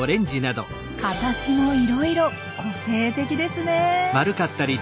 形もいろいろ個性的ですね。